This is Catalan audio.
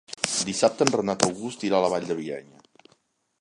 Dissabte en Renat August irà a la Vall de Bianya.